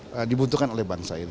yang dibutuhkan oleh bangsa ini